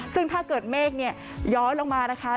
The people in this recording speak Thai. ซึ่งถ้าเกิดเมฆเนี่ยย้อยลงมานะคะ